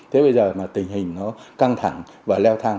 thế bây giờ mà tình hình nó căng thẳng và leo thang